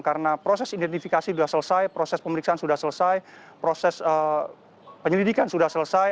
karena proses identifikasi sudah selesai proses pemeriksaan sudah selesai proses penyelidikan sudah selesai